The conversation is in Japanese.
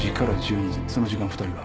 その時間２人は？